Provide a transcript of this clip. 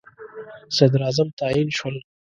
صدراعظم تعیین شول.